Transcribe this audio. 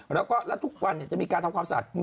และทุกวันจะมีการทำความสะอาด